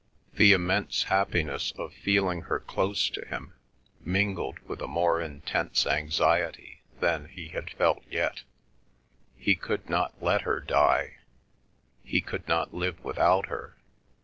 The immense happiness of feeling her close to him mingled with a more intense anxiety than he had felt yet. He could not let her die; he could not live without her.